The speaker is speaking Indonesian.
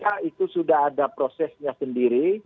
saya kira itu sudah ada prosesnya sendiri